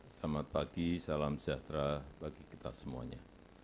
selamat pagi salam sejahtera bagi kita semuanya